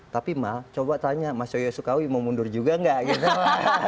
tapi mah coba tanya mas yoyo sukawi mau mundur juga nggak gitu